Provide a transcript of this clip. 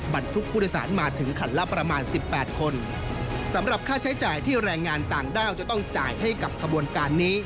บรรทุกผู้โดยสารมาถึงขันละประมาณ๑๘คน